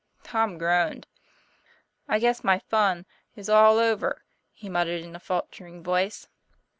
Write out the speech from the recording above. Tom groaned. 'I guess my fun is all over," he muttered in a faltering voice.